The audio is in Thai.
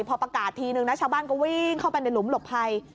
พอประกาศทีนึงนะชาวบ้านก็วิ่งเข้าไปในหลุมหลบภัย